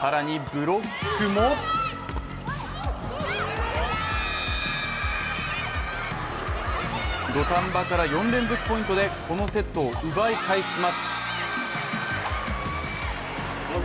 更にブロックも土壇場から４連続ポイントでこのセットを奪い返します。